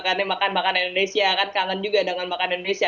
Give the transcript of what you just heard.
karena makan makan indonesia kan kangen juga dengan makan indonesia